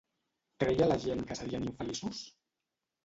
Creia la gent que serien infeliços?